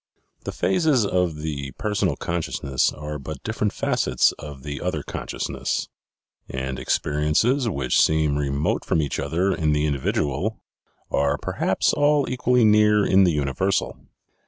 The phases of the personal consciousness are but different facets of the other consciousness; and experiences which seem remote from each other in the in dividual are perhaps all equally near in the universal.